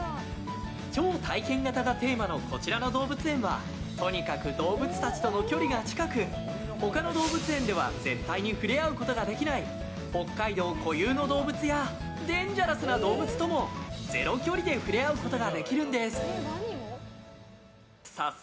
超体験型がテーマのこちらの動物園はとにかく動物たちとの距離が近く他の動物園では絶対に触れ合うことができない北海道固有の動物やデンジャラスな動物ともゼロ距離で触れ合うことができるんです。